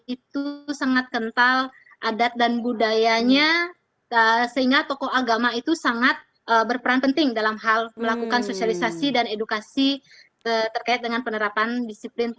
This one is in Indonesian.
itu sangat kental adat dan budayanya sehingga tokoh agama itu sangat berperan penting dalam hal melakukan sosialisasi dan edukasi terkait dengan penerapan disiplin